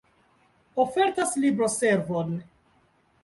Ofertas libroservon.